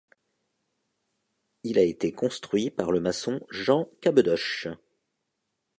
Il a été construit par le maçon Jean Cabedoche.